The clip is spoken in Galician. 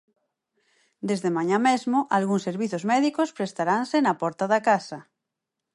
Desde mañá mesmo algúns servizos médicos prestaranse na porta da casa.